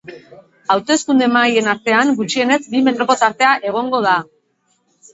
Hauteskunde mahaien artean gutxienez bi metroko tartea egongo da.